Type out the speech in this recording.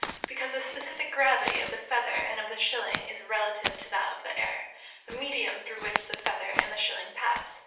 _ Because the specific gravity of the feather and of the shilling is relative to that of the air, the medium through which the feather and the shilling pass.